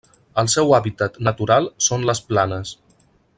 El seu hàbitat natural són les planes.